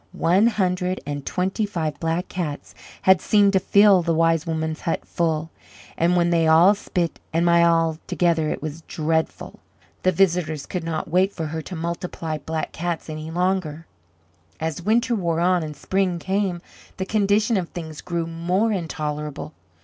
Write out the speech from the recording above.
One hundred and twenty five Black Cats had seemed to fill the Wise Woman's hut full, and when they all spit and miauled together it was dreadful. The visitors could not wait for her to multiply Black Cats any longer. As winter wore on and spring came, the condition of things grew more intolerable.